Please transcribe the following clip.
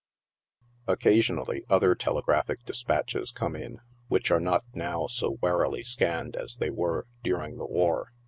Occasionally other telegraphic despatches come in, which are not now so warily scanned as they were during the war.